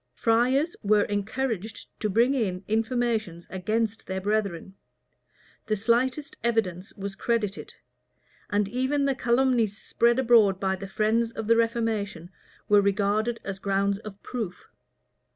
Friars were encouraged to bring in informations against their brethren; the slightest evidence was credited; and even the calumnies spread abroad by the friends of the reformation, were regarded as grounds of proof.